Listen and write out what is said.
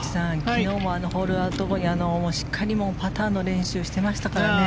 昨日もホールアウト後にしっかりパターの練習してましたからね。